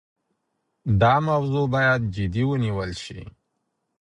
دا موضوع باید جدي ونیول شي.